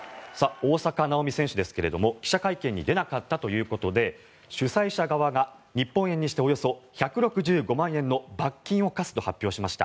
大坂なおみ選手ですが記者会見に出なかったということで主催者側が日本円にしておよそ１６５万円の罰金を科すと発表しました。